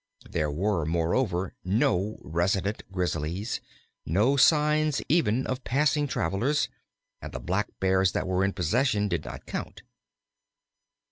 There were, moreover, no resident Grizzlies, no signs even of passing travelers, and the Blackbears that were in possession did not count.